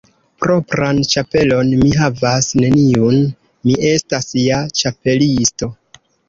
Propran ĉapelon mi havas neniun. Mi estas ja Ĉapelisto.